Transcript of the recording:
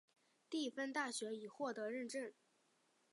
蒂芬大学已获得认证。